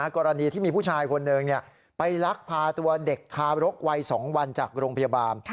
กรณีที่มีผู้ชายคนหนึ่งไปลักพาตัวเด็กทารกวัย๒วันจากโรงพยาบาล